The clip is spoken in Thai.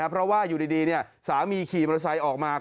เพราะว่าอยู่ดีสามีขี่มอเตอร์ไซค์ออกมา